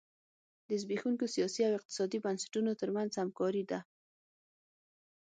د زبېښونکو سیاسي او اقتصادي بنسټونو ترمنځ همکاري ده.